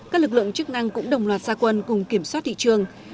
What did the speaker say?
các lực lượng chức năng cũng đồng loạt gia quân cùng kiểm soát thị trường